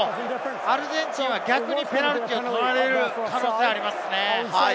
アルゼンチンは逆にペナルティーを取られる可能性がありますね。